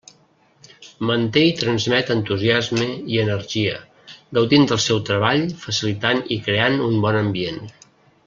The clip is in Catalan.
Manté i transmet entusiasme i energia, gaudint del seu treball facilitant i creant un bon ambient.